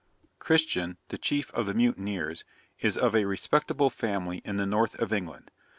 'Christian, the chief of the mutineers, is of a respectable family in the North of England.